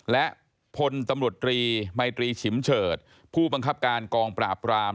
และพลตำรวจตรีมัยตรีฉิมเฉิดผู้บังคับการกองปราบราม